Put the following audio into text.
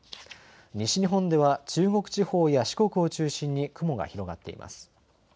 西日本では中国地方や四国を中心に雲が広がっています。